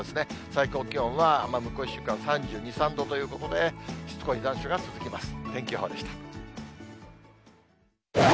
最高気温は、向こう１週間、３２、３度ということで、しつこい残暑が続きます。